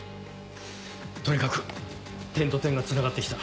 とにかく点と点がつながって来た。